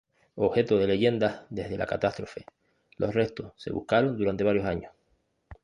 Objeto de leyendas desde la catástrofe, los restos se buscaron durante varios años.